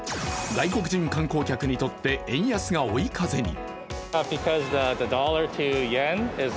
外国人観光客にとっては円安が追い風に。